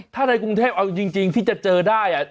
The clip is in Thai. ถ้าในกรุงเทพเอาจริงที่จะเจอได้